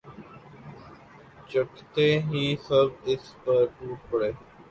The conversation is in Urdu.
چکھتے ہی سب اس پر ٹوٹ پڑے